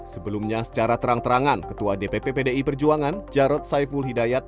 sebelumnya secara terang terangan ketua dpp pdi perjuangan jarod saiful hidayat